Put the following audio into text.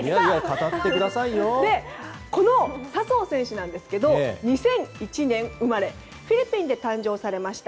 この笹生選手なんですが２００１年生まれフィリピンで誕生されました。